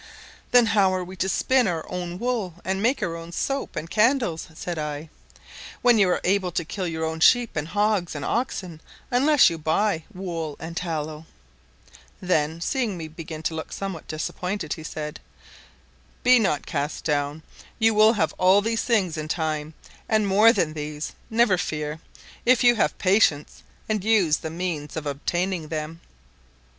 ] "Then how are we to spin our own wool and make our own soap and candles?" said I. "When you are able to kill your own sheep, and hogs, and oxen, unless you buy wool and tallow" then, seeing me begin to look somewhat disappointed, he said, "Be not cast down, you will have all these things in time, and more than these, never fear, if you have patience, and use the means of obtaining them.